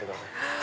あ！